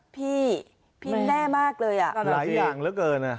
พี่พิ้นแน่มากเลย